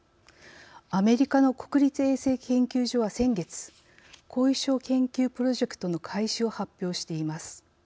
アメリカの国立衛生研究所は先月後遺症研究プロジェクトの開始を発表しています。